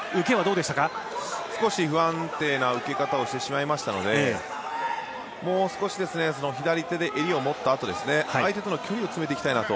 少し不安定な受け方をしてしまいましたのでもう少し、左手で襟を持ったあと相手との距離を詰めていきたいなと。